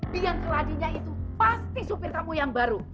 dia yang keladinya itu pasti sopir kamu yang baru